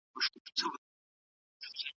حضرت عائشې څه پوښتنه ځني وکړه؟